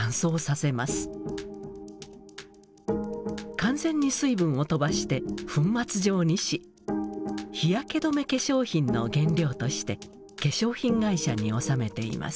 完全に水分を飛ばして粉末状にし日焼け止め化粧品の原料として化粧品会社に納めています。